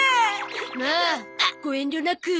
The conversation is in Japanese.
まあご遠慮なく。